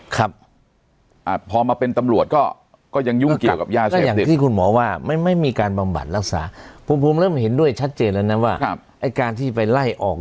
ครับอ่าพอมาเป็นตำลวจก็ก็ยังยุ่งเกี่ยวกับยาเชก